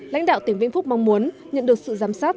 lãnh đạo tỉnh vĩnh phúc mong muốn nhận được sự giám sát